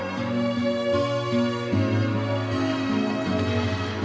takutnya aku telat le kesalahan